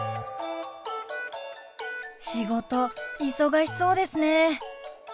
仕事忙しそうですね。